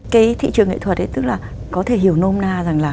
cái thị trường nghệ thuật tức là có thể hiểu nôm na rằng là